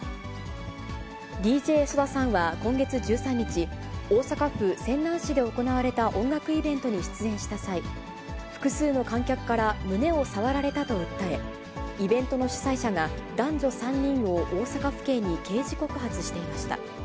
ＤＪＳＯＤＡさんは今月１３日、大阪府泉南市で行われた音楽イベントに出演した際、複数の観客から胸を触られたと訴え、イベントの主催者が男女３人を大阪府警に刑事告発していました。